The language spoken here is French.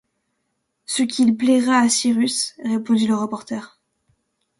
Ce qu’il plaira à Cyrus, » répondit le reporter